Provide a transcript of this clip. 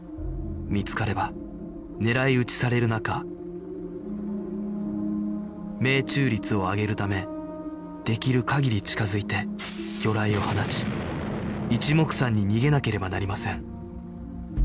見つかれば狙い撃ちされる中命中率を上げるためできる限り近づいて魚雷を放ち一目散に逃げなければなりません